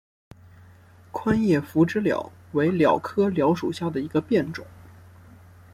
宽叶匐枝蓼为蓼科蓼属下的一个变种。